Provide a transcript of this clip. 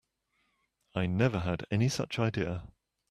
I never had any such idea.